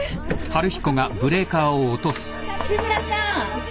志村さん！